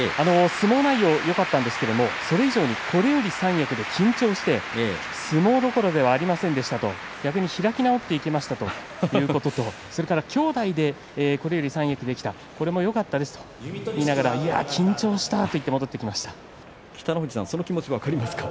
相撲内容よかったんですけどもそれ以上にこれより三役で緊張して相撲どころではありませんでしたと、逆に開き直っていきましたということと兄弟でこれより三役ができたこれもよかったですと言いながら緊張したということを分かりますか？